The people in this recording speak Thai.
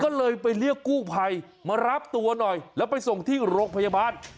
ก็เลยไปเรียกกู้ภัยมารับตัวหน่อยแล้วไปส่งที่โรงพยาบาล